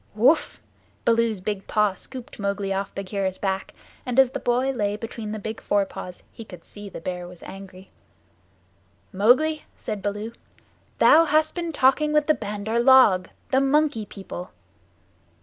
"Whoof!" Baloo's big paw scooped Mowgli off Bagheera's back, and as the boy lay between the big fore paws he could see the Bear was angry. "Mowgli," said Baloo, "thou hast been talking with the Bandar log the Monkey People."